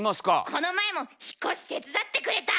この前も引っ越し手伝ってくれた！